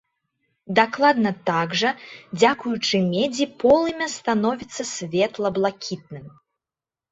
Дакладна так жа, дзякуючы медзі полымя становіцца светла-блакітным.